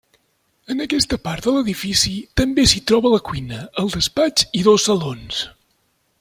En aquesta part de l'edifici també s'hi troba la cuina, el despatx i dos salons.